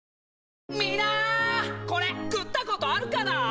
みんなこれ食ったことあるかな？